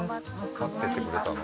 待っててくれたの？